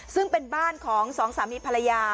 ซึ่งเป็นบ้านของสองสามีภรรยา